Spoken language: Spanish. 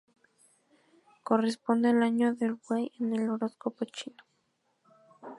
Corresponde al año del Buey en el horóscopo chino.